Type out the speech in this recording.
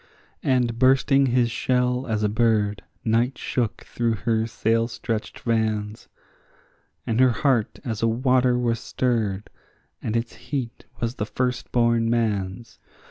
And bursting his shell as a bird, night shook through her sail stretched vans, And her heart as a water was stirred, and its heat was the firstborn man's.